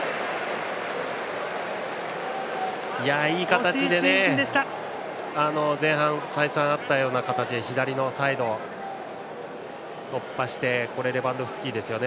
いい形で前半に再三あったような形で左のサイド突破してレバンドフスキですね。